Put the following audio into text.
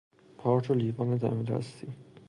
پارچ و لیوان دم دستی